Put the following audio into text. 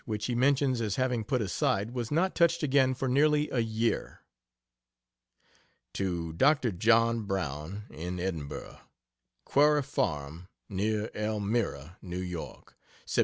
which he mentions as having put aside, was not touched again for nearly a year. To Dr. John Brown, in Edinburgh: QUARRY FARM, NEAR ELMIRA, N. Y. Sept.